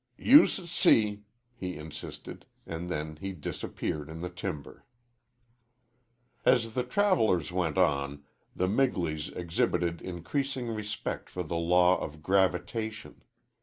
"You s see," he insisted, and then he disappeared in the timber. As the travellers went on, the Migleys exhibited increasing respect for the law of gravitation.